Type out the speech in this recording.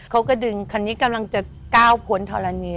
เขาก็ดึงคันนี้กำลังจะก้าวพ้นธรณี